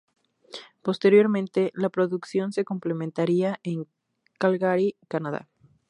Posteriormente, la producción se completaría en Calgary, Canadá.